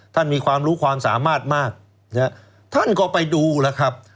ท่านมีความรู้ความสามารถมากนะฮะท่านก็ไปดูแล้วครับ